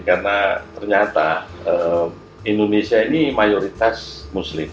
karena ternyata indonesia ini mayoritas muslim